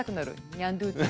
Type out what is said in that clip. ニャンドゥティ。